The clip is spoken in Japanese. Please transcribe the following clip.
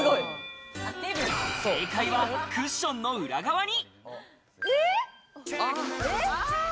正解はクッションの裏側に。